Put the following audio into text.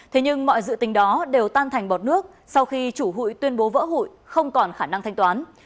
thế nhưng mọi dự tính đó đều tan thành bọt nước sau khi chủ hụi tuyên bố vỡ hụi không còn khả năng thanh toán